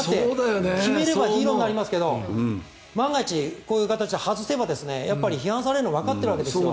決めればヒーローになりますけど万が一、こういう形で外せば批判されるのがわかっているわけですよ。